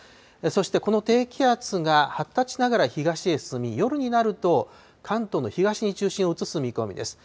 そしてこの低気圧が発達しながら東へ進み、夜になると、関東の東に中心を移す見込みです。